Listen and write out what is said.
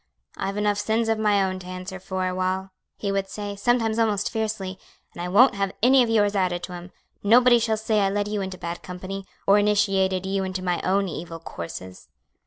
"I've enough sins of my own to answer for, Wal," he would say, sometimes almost fiercely, "and I won't have any of yours added to 'em; nobody shall say I led you into bad company, or initiated you into my own evil courses."